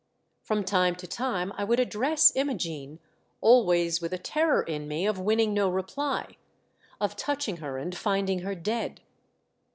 From time to time I would address Imogene, always with a terror in me of T AM ALONE. 505 winning no reply, of touching her and finding her dead.